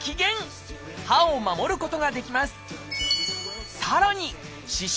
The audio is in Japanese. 歯を守ることができます。